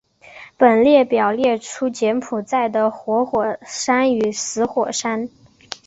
本列表列出柬埔寨的活火山与死火山。